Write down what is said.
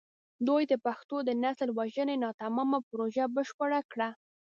دوی د پښتنو د نسل وژنې ناتمامه پروژه بشپړه کړه.